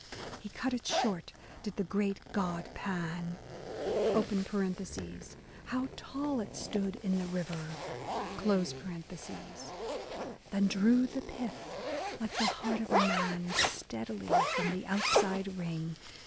He cut it short, did the great god Pan, (How tall it stood in the river !), Then drew the pith, like the heart of a man, Steadily from the outside ring.